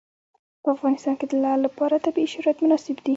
په افغانستان کې د لعل لپاره طبیعي شرایط مناسب دي.